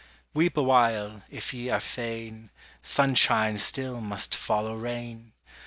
Weep awhile, if ye are fain, Sunshine still must follow rain!